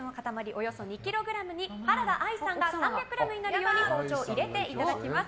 およそ２ｋｇに原田愛さんが３００ｇになるよう包丁を入れていただきます。